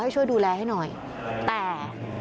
ช่วยดูแลให้หน่อยแต่